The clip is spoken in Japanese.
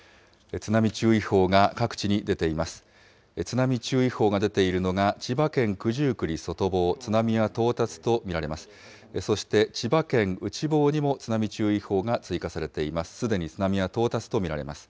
津波注意報が出ているのが、千葉県九十九里外房、津波は到達と見られます。